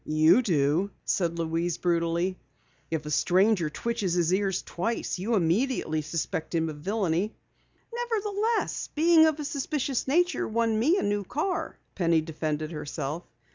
"You do," said Louise brutally. "If a stranger twitches his ears twice you immediately suspect him of villainy." "Nevertheless, being of a suspicious nature won me a new car," Penny defended herself.